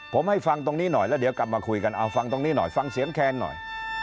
ผมให้ฟังตรงนี้หน่อยแล้วเดี๋ยวกลับมาคุยกันเอาฟังตรงนี้หน่อยฟังเสียงแคนหน่อย